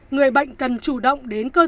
người bệnh cần chủ động đến cơ sở y tế